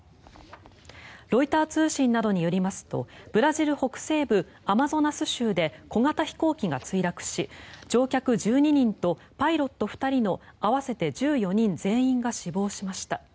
ロイター通信などによりますとブラジル北西部アマゾナス州で小型飛行機が墜落し乗客１２人とパイロット２人の合わせて１４人全員が死亡しました。